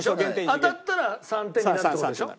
当たったら３点になるって事でしょ？